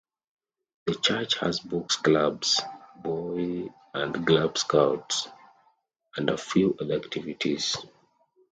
The church has books clubs, boy and cub scouts, and a few other activities.